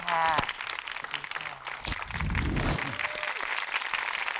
ขอบคุณค่ะ